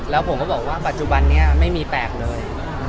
แล้วผมก็บอกว่าปัจจุบันนี้ไม่มีแปลกเลย